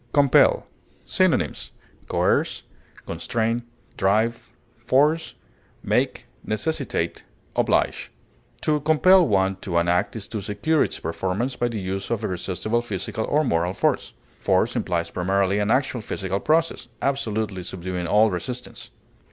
COMPEL. Synonyms: coerce, drive, make, oblige. constrain, force, necessitate, To compel one to an act is to secure its performance by the use of irresistible physical or moral force. Force implies primarily an actual physical process, absolutely subduing all resistance.